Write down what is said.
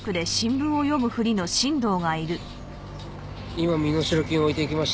今身代金を置いていきました。